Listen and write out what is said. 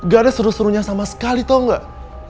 gak ada seru serunya sama sekali tau gak